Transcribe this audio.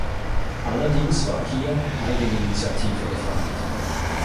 Allerdings war hier Eigeninitiative gefragt.